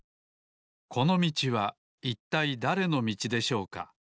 このみちはいったいだれのみちでしょうか？